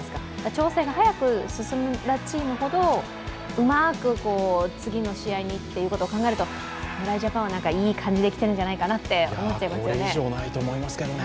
調整が早く進んだチームほどうまく次の試合にということを考えると、侍ジャパンはいい感じできているんじゃないかなと思いますけどね。